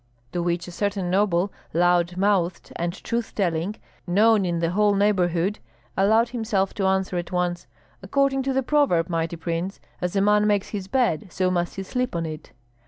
To which a certain noble, loud mouthed and truth telling, known in the whole neighborhood, allowed himself to answer at once, "According to the proverb, mighty prince, 'As a man makes his bed, so must he sleep on it.'"